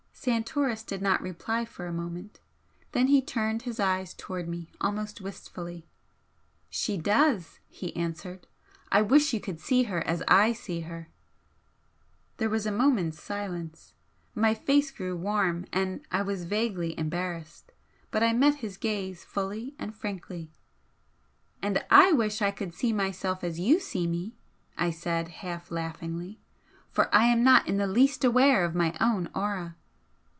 Santoris did not reply for a moment. Then he turned his eyes towards me almost wistfully. "She does!" he answered "I wish you could see her as I see her!" There was a moment's silence. My face grew warm, and I was vaguely embarrassed, but I met his gaze fully and frankly. "And I wish I could see myself as you see me," I said, half laughingly "For I am not in the least aware of my own aura."